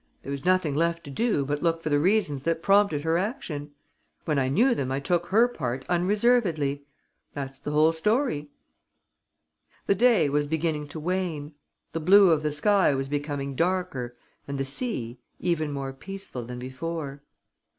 There was nothing left to do but look for the reasons that prompted her action. When I knew them, I took her part unreservedly. That's the whole story." The day was beginning to wane. The blue of the sky was becoming darker and the sea, even more peaceful than before.